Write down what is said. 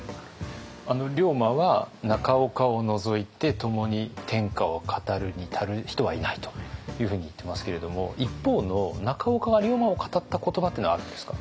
龍馬は「中岡を除いてともに天下を語るに至る人はいない」というふうに言ってますけれども一方の中岡が龍馬を語った言葉というのはあるんですか？